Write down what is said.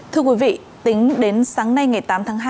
thưa quý vị tính đến sáng nay ngày tám tháng hai